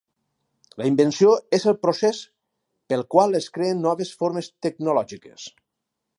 La "invenció" és el procés pel qual es creen noves formes tecnològiques.